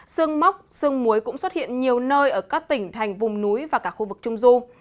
xương móc xương muối cũng xuất hiện nhiều nơi ở các tỉnh thành vùng núi và cả khu vực trung du